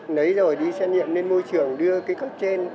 lấy rồi đi xét nghiệm lên môi trường đưa cái cấp trên